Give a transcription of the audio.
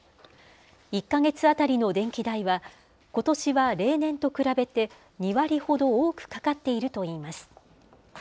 １か月当たりの電気代は、ことしは例年と比べて２割ほど多くかかっているといいます。